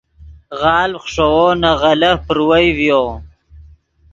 غالڤ خشوؤ نے غلف پروئے ڤیو